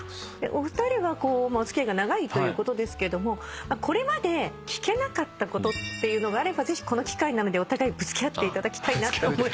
お二人はお付き合いが長いということですけどもこれまで聞けなかったことっていうのがあればぜひこの機会なのでお互いぶつけ合っていただきたいなと。